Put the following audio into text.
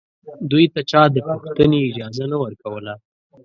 دوی ته چا د پوښتنې اجازه نه ورکوله